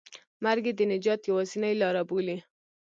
مرګ یې د نجات یوازینۍ لاره بولي.